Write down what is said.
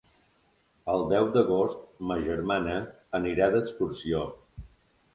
El deu d'agost ma germana anirà d'excursió.